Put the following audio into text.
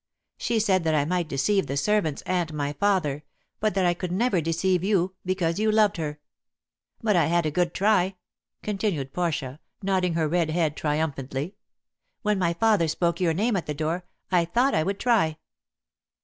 She said that I might deceive the servants and my father, but that I could never deceive you, because you loved her. But I had a good try," continued Portia, nodding her red head triumphantly. "When my father spoke your name at the door I thought I would try."